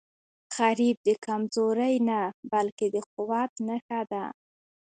غریب د کمزورۍ نه، بلکې د قوت نښه ده